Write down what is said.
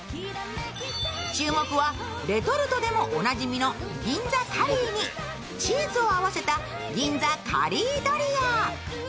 注目はレトルトでもおなじみの銀座カリーにチーズを合わせた銀座カリードリア。